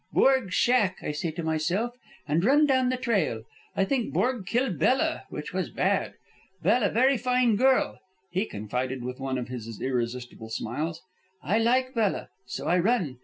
'Borg's shack,' I say to myself, and run down the trail. I think Borg kill Bella, which was bad. Bella very fine girl," he confided with one of his irresistible smiles. "I like Bella. So I run.